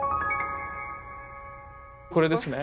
これですね。